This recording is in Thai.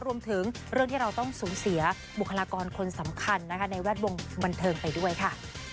รวมถึงเรื่องที่เราต้องสูญเสียบุคลากรคนสำคัญนะคะในแวดวงบันเทิงไปด้วยค่ะ